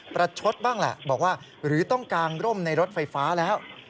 ประชดบ้างแหละบอกว่าหรือต้องกางร่มในรถไฟฟ้าแล้ว